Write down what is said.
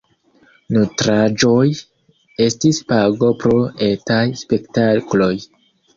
Nutraĵoj estis pago pro etaj spektakloj.